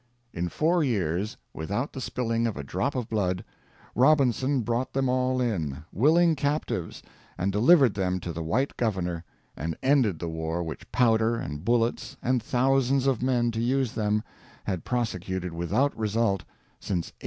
In four years, without the spilling of a drop of blood, Robinson brought them all in, willing captives, and delivered them to the white governor, and ended the war which powder and bullets, and thousands of men to use them, had prosecuted without result since 1804.